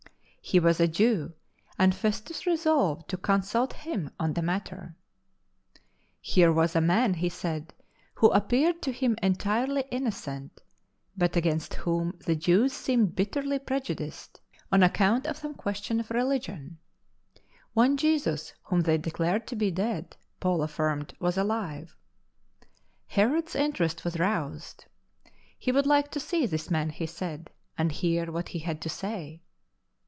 He was a Jew, and Festus resolved to consult him on the matter. " AN AMBASSADOR IN BONDS " 107 Here was a man, he said, who appeared to him entirely innocent, but against whom the Jews seemed bitterly prejudiced on account of some question of religion. One Jesus, whom the}/ declared to be dead, Paul affirmed was ahve. Herod's interest was roused. He would like to see this man, he said, and hear what he had to say.